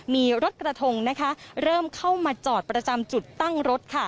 มีรถกระทงเริ่มเข้ามาจอดประจำจุดตั้งรถค่ะ